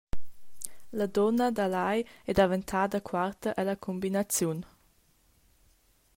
La dunna da Lai ei daventada quarta ella cumbinaziun.